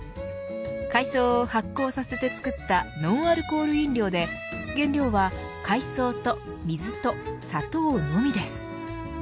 海藻を発酵させてつくったノンアルコール飲料で原料は海藻と水と砂糖のみです。